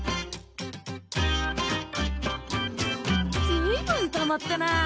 ずいぶんたまったな。